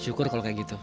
syukur kalo kayak gitu